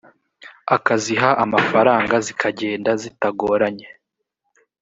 akaziha amafaranga zikagenda zitagoranye